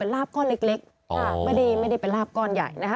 ลาบลอย